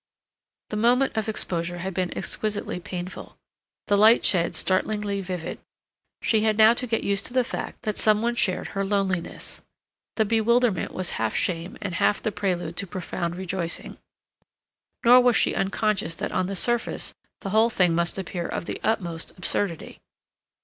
The moment of exposure had been exquisitely painful—the light shed startlingly vivid. She had now to get used to the fact that some one shared her loneliness. The bewilderment was half shame and half the prelude to profound rejoicing. Nor was she unconscious that on the surface the whole thing must appear of the utmost absurdity.